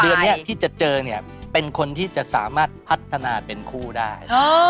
เดือนนี้ที่จะเจอเนี่ยเป็นคนที่จะสามารถพัฒนาเป็นคู่ได้